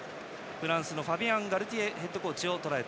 フランスのファビアン・ガルティエヘッドコーチ。